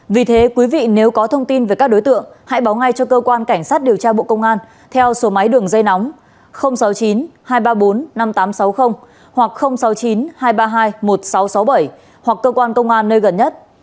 vì thế quý vị nếu có thông tin về các đối tượng hãy báo ngay cho cơ quan cảnh sát điều tra bộ công an theo số máy đường dây nóng sáu mươi chín hai trăm ba mươi bốn năm nghìn tám trăm sáu mươi hoặc sáu mươi chín hai trăm ba mươi hai một nghìn sáu trăm sáu mươi bảy hoặc cơ quan công an nơi gần nhất